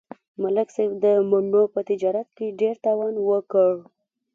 ملک صاحب د مڼو په تجارت کې ډېر تاوان وکړ.